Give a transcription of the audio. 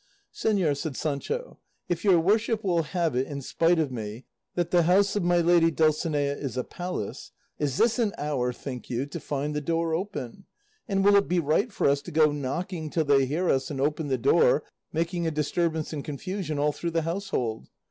"Señor," said Sancho, "if your worship will have it in spite of me that the house of my lady Dulcinea is a palace, is this an hour, think you, to find the door open; and will it be right for us to go knocking till they hear us and open the door; making a disturbance and confusion all through the household?